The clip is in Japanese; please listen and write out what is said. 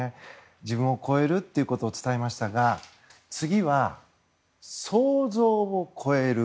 自分を超えるということを伝えましたが次は、想像を超える。